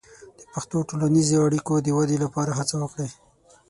د پښتو د ټولنیزې اړیکو د ودې لپاره هڅه وکړئ.